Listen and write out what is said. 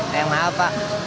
saya tanya kenapa